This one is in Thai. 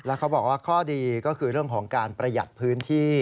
เขาบอกว่าข้อดีก็คือเรื่องของการประหยัดพื้นที่